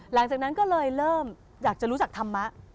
หลังจากนั้นก็เลยเริ่มอยากจะรู้จักธรรมะ